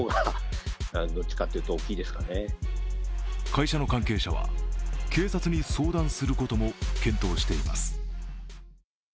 会社の関係者は、警察に相談することも検討しています。